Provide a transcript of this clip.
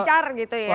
lancar gitu ya